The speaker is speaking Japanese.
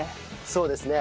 そうですね。